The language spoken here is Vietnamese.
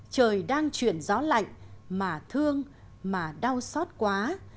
trời đang chuyển gió lạnh mà thương mà đau xót quá